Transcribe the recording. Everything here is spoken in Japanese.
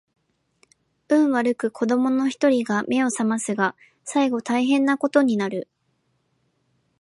運悪く子供の一人が眼を醒ますが最後大変な事になる